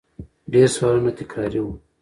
ډېر سوالونه تکراري وو